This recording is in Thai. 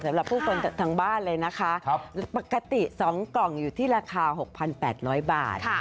สำหรับผู้คนทางบ้านเลยนะคะปกติ๒กล่องอยู่ที่ราคา๖๘๐๐บาท